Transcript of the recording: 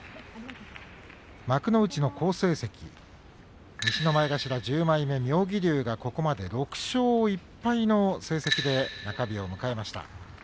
幕内の好成績西の前頭１０枚目妙義龍がここまで６勝１敗の成績で中日を迎えました。